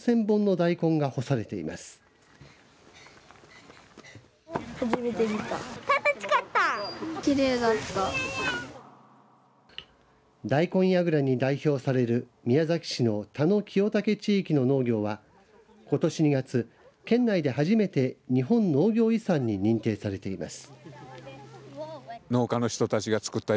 大根やぐらに代表される宮崎市の田野・清武地域の農業はことし２月、県内で初めて日本農業遺産に認定されています。